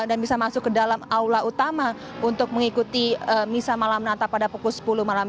dan bisa masuk ke dalam aula utama untuk mengikuti misal malam nanti pada pukul sepuluh malam